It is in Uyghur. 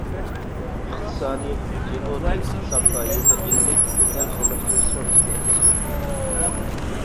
ئىقتىسادى:جىبۇتى ئىقتىسادتا يېزا ئىگىلىك بىلەن ئالماشتۇرۇش سودىسىنى ئاساس قىلىدۇ.